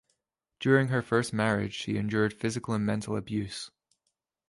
During her first marriage, she endured physical and mental abuse.